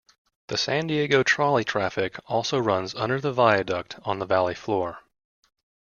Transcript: The San Diego Trolley traffic also runs under the viaduct on the valley floor.